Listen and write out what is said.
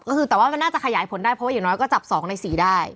ก็คือแต่ว่ามันน่าจะขยายผลได้เพราะว่าอย่างน้อยก็จับ๒ใน๔ได้